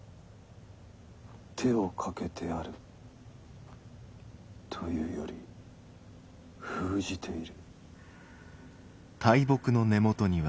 手をかけてあるというより封じている。